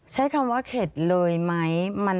ใช้คำว่าเข็ดเลยไหม